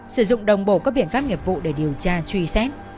sử dụng đồng bộ các biện pháp nghiệp vụ để điều tra truy xét